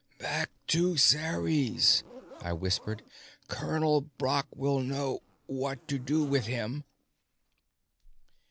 "Back to Ceres," I whispered. "Colonel Brock will know what to do with him."